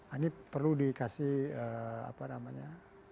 ini perlu dikasih apa namanya